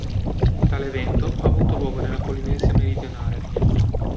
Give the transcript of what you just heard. Tale evento ha avuto luogo nella Polinesia meridionale.